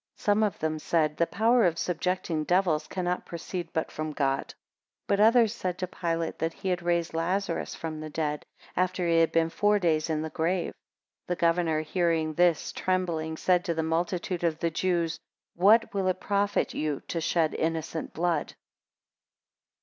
44 Some of them said, The power of subjecting devils cannot proceed but from God. 45 But others said to Pilate, That he had raised Lazarus from the dead, after he had been four days in his grave. 46 The governor hearing this, trembling, said to the multitude of the Jews, What will it profit you to shed innocent blood?